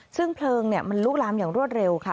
ซึ่งเพลิงมันลุกลามอย่างรวดเร็วค่ะ